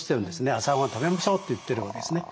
朝ごはん食べましょうって言ってるわけですね。